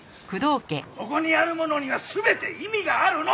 ここにあるものには全て意味があるの！